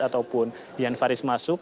ataupun jan farid masuk